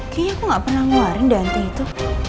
kayaknya aku gak pernah ngeluarin deh anting itu